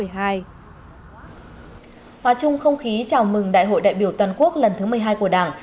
hòa chung không khí chào mừng đại hội đại biểu toàn quốc lần thứ một mươi hai của đảng